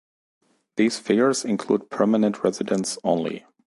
These figures include permanent residents only.